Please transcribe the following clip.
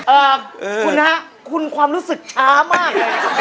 เอ่อคุณฮะคุณความรู้สึกช้ามาก